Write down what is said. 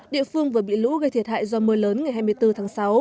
địa phương vừa bị lũ gây thiệt hại do mưa lớn ngày hai mươi bốn tháng sáu